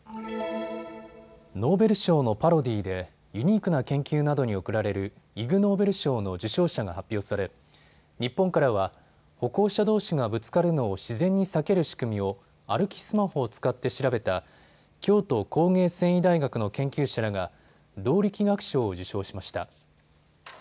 ノーベル賞のパロディーでユニークな研究などに贈られるイグ・ノーベル賞の受賞者が発表され日本からは歩行者どうしがぶつかるのを自然に避ける仕組みを歩きスマホを使って調べた京都工芸繊維大学の研究者らが動力学賞を受賞しました。